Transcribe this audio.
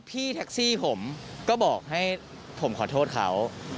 พี่แท็กซี่ผมก็บอกให้ผมขอโทษเขา